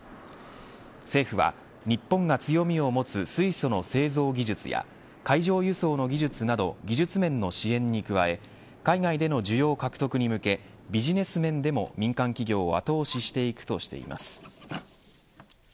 政府は日本が強みを持つ水素の製造技術や海上輸送の技術など技術面の支援に加え海外での需要獲得に向けビジネス面でも民間企業を後押ししていくとしています。